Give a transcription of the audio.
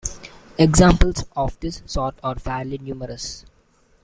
Examples of this sort are fairly numerous.